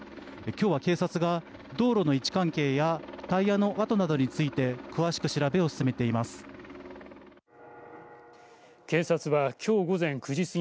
きょうは警察が道路の位置関係やタイヤの跡などについて詳しく調べを進めています。